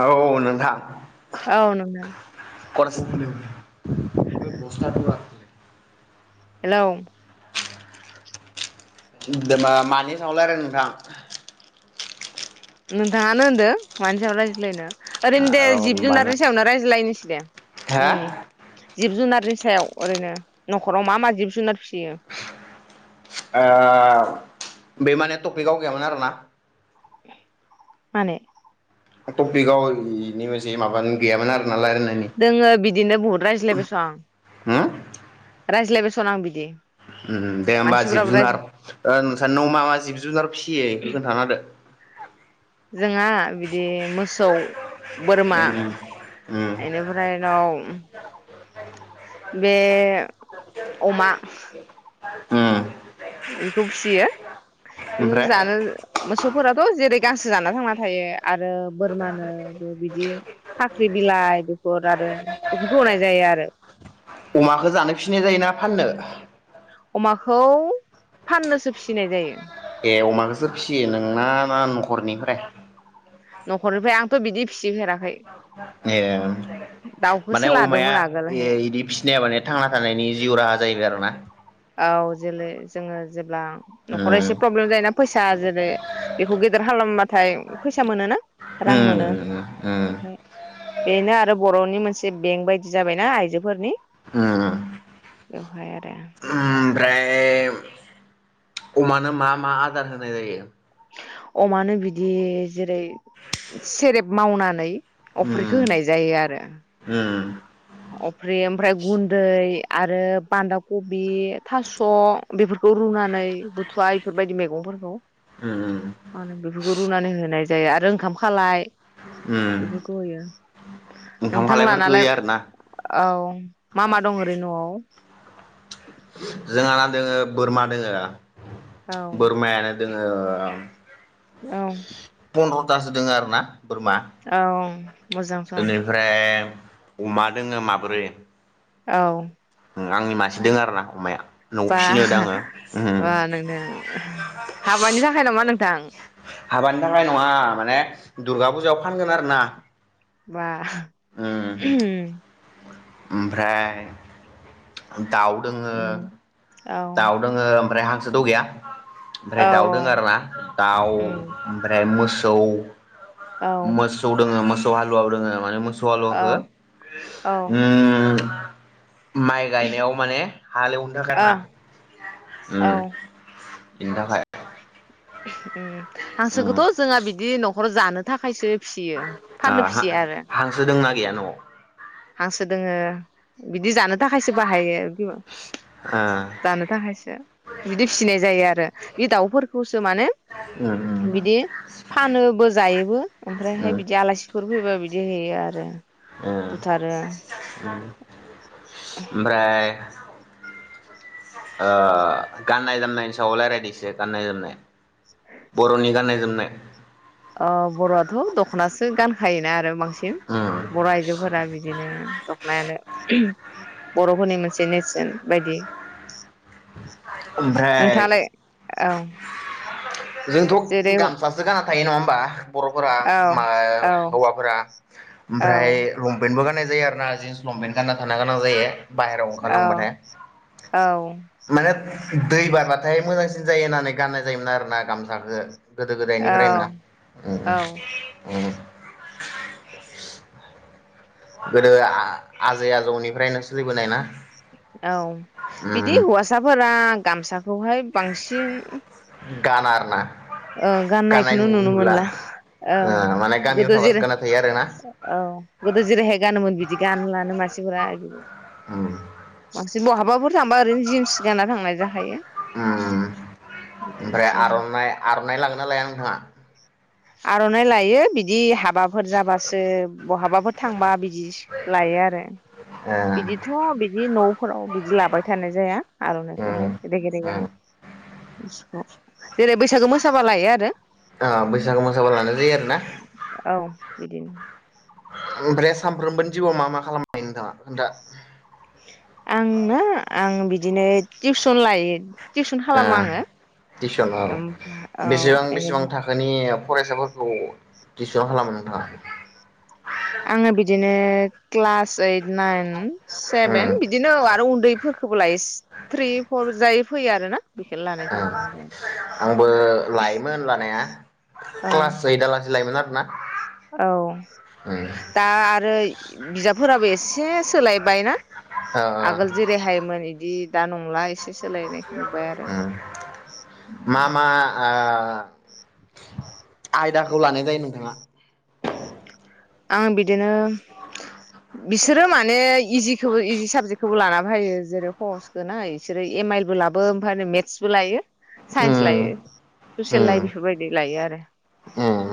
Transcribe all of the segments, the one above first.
औ नोंथां [unintelligible] आनो म [unintelligible] खर [unintelligible] बे बस्था ला [unintelligible] हेलौ दा मानि सायाव सावरायनो नोंथां नोंथाङानो होनदो मानि सायाव रायज्लायनो ओरैनो दे र' जिब होमबाना जुनारनि सायावनो रायज्लायनोसै दे हा न'नि जिब जुनाद नि सायाव ओरैनो न'खराव मा मा जिब जुनार फिसियो? ओ बे माने टपिकआव गैयामोन आरोना माने टपिकआव [unintelligible] माबानि गैयामोन आरोना रायलायनायनि दोङो बिदिनो बहुद रायज्लायबायसं होम रायज्लायबायसं आं बिदि। उम दे होमबा जिब मानसिफोराबो रायज जुनार ओ नोंसानि न'वाव मा मा जिब जुनार फिसियो इखो खोन्थाना होदो। जोंहा बिदि मोसौ बोरमा उम इनिफ्राय दं बे अमा उम बेखौ फियो [unintelligible] ओम ओमफ्राय जानो फोराथ जेरै गांसो जाना थांना थायो आरो रो बोरमानोबो बिदि फाख्रि बिलाइ बेफोर आरो बेफोरखौ होनाय जायो आरो अमाखौ जानो फिननाय जायोना फाननो? अमाखौ फाननोसो फिसिनाय जायो। ए अमाखौ सोर फिसियो नों ना ना नखरनिफ्राय? न'खरनिफ्राय आंथ बिदि फिसिफेराखै। ए दाउखौसो माने अमाया लादोंमोन ए आगोलहाय इदि फिसिनाया माने थांना थानायनि जिउ राहा जाहैबाय आरो [unintelligible] औ जोलै जोङो जे अब्ला न'खराव उम एसे प्रब्लेम जायोना फैसा जेरै बेखौ गेदेर खालामबाथाय फैसा मोनोना रां मोनो उम उम बेनो आरो बर'नि मोनसे एसे बेंक बायदि जाबायना‌ आइजोफोरनि उम बेवहाय आरो ओमफ्राय अमानो मा मा आदार होनाय जायो? अमानो बिदि जेरै सेरेब मावनानै अफ्रिखौ उम होनाय जायो आरो उम अफ्रि ओमफ्राय गुन्दै आरो बान्दा कबि थास' बेफोरखौ रुनानै बुथुवा इफोरबायदि मेगंफोरखौ उम मा होनो बेफोरखौ रुनानै होनाय जायो आरो ओंखाम खालाय उम बेफोरखौ होयो ओंखाम नोंथां खालायफोरखौ लानालाय होयो आरोना औ मा मा दं ओरैनो न'आव? जोंहाना दोङो बोरमा दोङो औ बोरमायानो दोङो ओ औ पनद थासो दङ आरो ना औ मोजां सम बेनिफ्राय अमा दोङो माब्रै औ आंनि मासे दं आरो ना अमाया न'आव बा फिसिनो होदो आङो उम बा नोंथां हाबानि थाखाय नामा नोंथां हाबानि थाखाय नङा माने दुर्गा फुजायाव फानगोन आरो ना बा उम ओमफ्राय उम दाउ दोङो औ दाउ औ दोङो ओमफ्राय हांसोथ गैया ओमफ्राय औ दाउ दों आरो ना दाउ उम ओमफ्राय मोस औ दाउ मोसौ दोङो मो सौ हालुवाबो दोङो माने मो सल हो द औ औ [unintelligible] माइ गायनायाव माने हालेवनो थाखाय औ आरो ना औ इनि थाखाय उम उम ओ हांसोखौथ जोंहा बिदि नख खर जानो थाखायसो फिसियो ओ फाननो हा फिसिया आरो हांसो दोंना गैया न'आव हांसो दोङो बिदि जानो थाखायसो बाहायो ओ जानो थाखायसो बिदि फिसिनाय जायो आरो बे दाउफोरखौसो माने उम बिदि फानोबो जायोबो ओमफ्रायहाय उम बिदि आलासिफोर फैबा बिदि दि होयो आरो उम ओमफ्राय ओ गाननाय जोमनायनि सायाव रायज्लानिसै गाननाय जोमनाय बर'नि गाननाय जोमनाय आ बर' आथ दखनासो गानखायो ना आरो बांस सिन उम बर' आइजोफोरा बिदिनो दख'नायानो बर'फोरनि मोनसे नेरसोन बायदि ओमफ्राय नोंथाङालाय औ जोंथ' जेरै औ गामसासो गानना थायो नङा होमबा बर'फोरा औ मा औ हौवाफोरा ओमफ्राय लंपेन्टबो गाननाय जायो आरो ना जिन्स लंपेन्ट गानना थाना गोनां जायो बाहेरायाव औ ओंखारलांबाथाय औ माने दै बारबाथाय मोजांसिन जायो होननानै गाननाय जायोमोन आरोना गामसाखौ गोदो औ गोदायनिफ्राय ना ओम ओम [unintelligible] गोदो आजै आजौनिफ्रायनो सोलिबोनाय ना औ उम बिदि हौवासाफोरा गामसा खौहाय बांसिन गाना आरोना ओं गाननाय गाननायखौनो नुनो नुला मोनला ओ ओं माने गामियाव गोदो थाबासो जेरै गानना थायो आरोना औ गोदो जेरैहाय गानोमोन बिदि गानलानो मानसिफोरा उम बि बहाबाफोर थांबा ओरैनो जिन्स गाना थांनाय जाखायो ओम ओमफ्राय बिदिनोसै आरो आर'नाइ आर'नाइ लाङोना ना लाया नोंथाङा आर'नाइ लायो बिदि ह माबाफोर जाबासो बहाबाफोर थांबा बिदि लायो आरो ओ बिदिथ बिदि नफोराव बिदि लाबाय थानाय जाया उम आरनाइखौहाय जेरै उम आं जेरै बैसागो मोसाबा लायो आरो औ लानाय जायो आरोना औ बिदिनो ओमफ्राय सामफ्रोमबोनि जिउआव मा मा खालामायो नोंथाङा दा आं ना आं बिदि बिदिनो टिउसन लायो टिउसन खालामो आङो टिउसन ओमफ्राय औ बेसेबां बेसेबां बेनिफ्राय थाखोनि फरायसाफोरखौ बेसेबां खालामो नोंथाङा? आङो बिदिनो क्लास ओइथ नाइन उम सेभेन बिदिनो औ आरो उन्दै गोबोलाय थ्रि फर जायै फैयो आरो ना बेखौनो लानाय थाङो आरो आंबो लायोमोन लानाया औ क्लास ओइदा लासै लायो आरोना औ उम दा आरो बिजाबफोराबो एसे सोलायबाय ना ओ आगोल ओ जेरैहायोमोन बिदि दा नंला ए उम मा मा आ आ आयदाखौ लानाय जायो नोंथाङा आं बिदिनो बिसोरो माने इजिखौबो इजि साबजेक्टखौबो लाना फायो जेरै हसखौ ना बिसोरो एम आइलबो लाबो ओमफ्राय मेथ्सबो लायो साइन्स उम लायो ससियेल उम लाइ बेफोरबायदि लायो आरो उम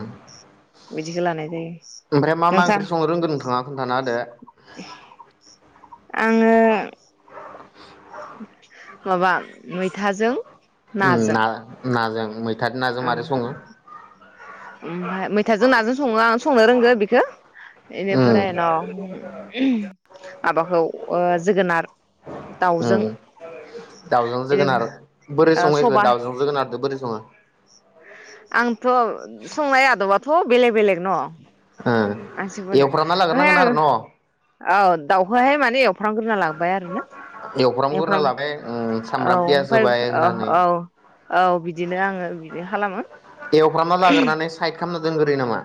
बिदिखौ लानाय जायो ओमफ्राय मा मा नोंथां ओंख्रि संनो रोंगोन नोंथाङा खोनथाना होदो आङो माबा मैथाजों उ ना नाजों मै औं ओमफ्राय मैथाजों नाजों सङो आं संनो रों खौ उम बेनिफ्राय न माबाखौ अ जोगोनार उम दाउजों दाउजों जोगोनार बोरै अ सङो इखो सबा दाउजों जोगोनारदो बोरै सङो थ बेलेग बेलेग न अ एवफ्रामना लाग्रोनांगोन आरो न' अ दाउहोहाय माने एव एवफ्रामग्रोना लाबाय आरोना एवफ्रामग्रोना एवफ्राम लाबाय उम औ सामब्राम पियास ओमफ्राय होबाय औ होनानै औ औ बिदिनो आङो बिदि खालामो एवफ्रामना लाग्रोनानै साइद खालामना दोनग्रोयो नामा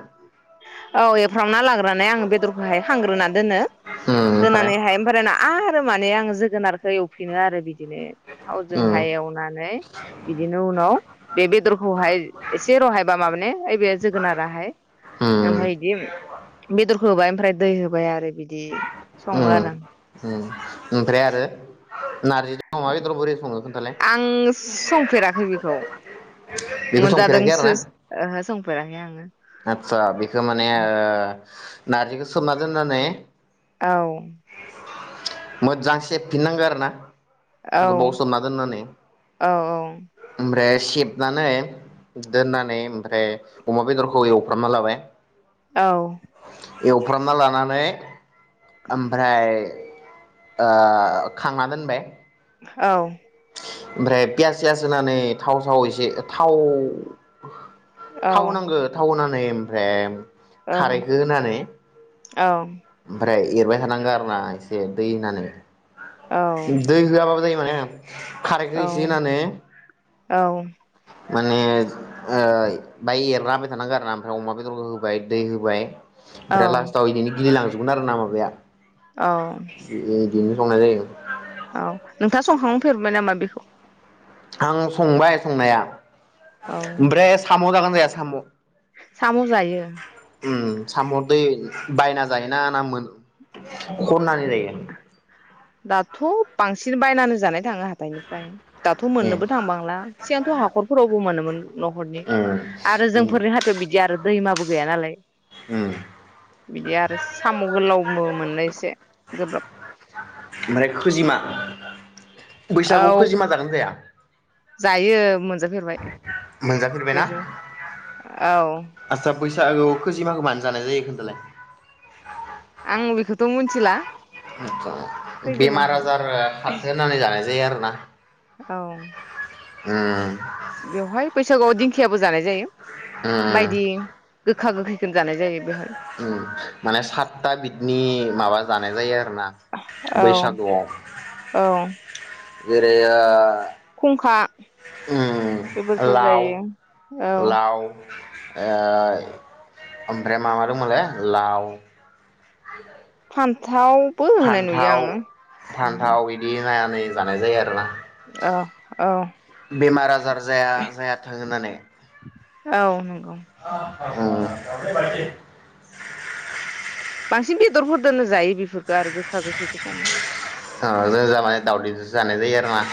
औ एवफ्रामना लाग्रोनानै आङो बेदरखौहाय हांग्रोना दोनो उम ओमफ्राय दोननानैहाय ओमफ्राय आरो माने आं जोगोनारखौ एवफिनो आरो बिदिनो उम थावजोंहाय एवनानै बिदिनो उनाव बे बेदरखौहाय एसे रहायबा माबाने ओइबे जोगोनाराहाय उम ओमफ्राय इदि बेदर होबाय ओमफ्राय दै होबाय आरो बिदि सङो उम आरो उम ओमफ्राय आरो नारजिजों अमा बेदर बोरै सङो खोन्थालाय आं संफेराखै बेखौ बेखौ संफेराखै मोनजादोंसो ओहो संफेराखै आङो आतसा बेखौ माने ओ नार्जिखौ सोमना दोननानै औ मोजां सेबफिननांगो आरो ना औ गोबाव सोमना दोननानै औ ओमफ्राय सेबनानै दोननानै ओमफाय अमा बेदरख ओ एवफ्रामना लाबाय औ एवफ्रामना लानानै ओमफ्राय ओ खांना दोनबाय औ ओमफ्राय पियास सियास होनानै थाव साव एसे थाव औ थाव होनांगो थाव होना न ओमफ्राय औ खारैखो होनानै ओमफा फ्राय एरबाय थानांगो आरोना एसे दै होननानै दै होआबाबो जायो म [unintelligible] खारैखो इसे होननानै माने ओ बाय एरना होबाय थानांगो आरोना ओमफाय अमा बेदरखौ होबाय दै होबाय ओमफाय औ लास्टआव इदिनो गिलिलां नार नामा बेैया औ संनाय जायो औ नोंथाङा संखांफेरबाय नामा बेखौ आं संबाय संनाया ओमफ्राय सामु जागोन या‌ साम सामु जायो उम सामुदै बायना जायोना ना मोन खनानै जायो दाथ बांसिन बायनानो जानाय थाङो हाथाइनिफ्राय दाथ ए मोननोबो थांबांला सिगांथ हाखरफोरावबो मोनोमोन नखरनि उम आरो उम जोंफोरनि हाथायाव बिदि आरो दैमाबो गैया नालाय उम बिदि आरो सामु गोलावबो मोननो एसे गोब्राब माने खोजिमा बैसागु औ खोजिमा जागोन जाया जायो मोनजाफेरबाय मोनजाफेरबायना खैजौ औ बैसागु खोजिमागोबानो जानाय जायो खिथालाय आं बेखौथ' मिथिला आ बेमार खैजोमाखौ आजार हारहो होननानै जानायसै जाया आरो ना औ उम बेवहाय बैसागुआव दिंखियाबो जानाय जायो उम बायदि गो खा गोखै उम माने सातथा बिदनि माबा जानाय जायो आरोना औ बैसागुआव। औ जेरै ओ खंखा उम लाव औ लाव ओ ओमफ्राय मा मा दंमोलाय लाव [unintelligible] थावबो होनाय नुयो आङो उम ज नै जानाय जायो आरोना औ औ बेमार आजार जाया जाया थायाथों होननानै औ [unintelligible] [unintelligible] बांसिन बेदरफोर दोननो जायो बेफोरखौ आरो गोखा गोखैखौ संना [unintelligible] अ ज ज मानि दावस जानाय ज आरो फोरा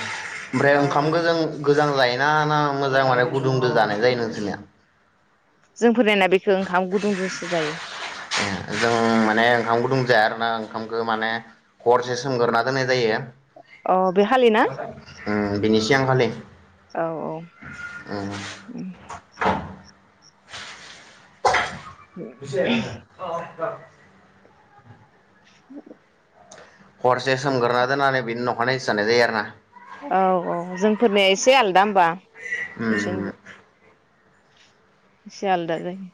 ओमफ्राय ओंखाम औ गोजां गोजां जाय ना मोजां माने गुदुं जानाय जायो नोंसोरनिया जों फोरायना बेखो ओंखाम गुदुं जुसो जायो ए जों माने [unintelligible] ओंखामखौ माने हरसे सोमगोरोना दोननाय जायो अ बे खालि ना उम बेनोसै आं फालाय औ ए [unintelligible] [unintelligible] [unintelligible] हरसे सोमगोरोना दोननानै बिनि नखानायैसो जानाय जायो आरो ना औ औ जोंफोरनिया एसे आलादा होमबा उम नोंसोरनिजों इसे आलादा जायो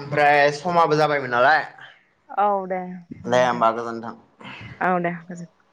ओमफ्राय समाबो जाबायमोन नालाय औ दे दे होमबा गोजोन्थों औ दे गोजोनथों